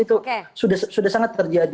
itu sudah sangat terjadi